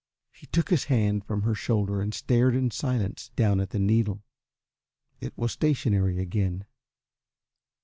He took his hand from her shoulder and stared in silence down at the needle. It was stationary again.